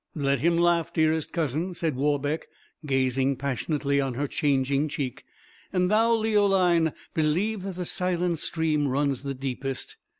"Let him laugh, dearest cousin," said Warbeck, gazing passionately on her changing cheek: "and thou, Leoline, believe that the silent stream runs the deepest."